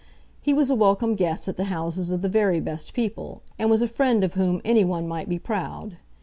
He was a welcome guest at the houses of the very best people, and was a friend of whom any one might be proud.